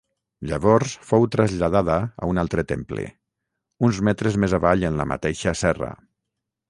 Llavors fou traslladada a un altre temple, uns metres més avall en la mateixa serra.